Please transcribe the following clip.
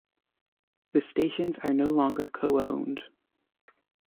The stations are no longer co-owned.